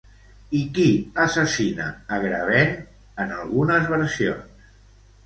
I qui assassina Agravain en algunes versions?